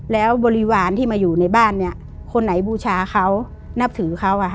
แล้วบริวารที่มาอยู่ในบ้านเนี่ยคนไหนบูชาเขานับถือเขา